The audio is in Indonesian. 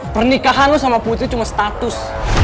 pernikahan loh sama putri cuma status